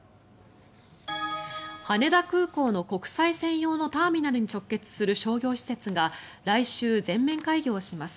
羽田空港の国際線用のターミナルに直結する商業施設が来週、全面開業します。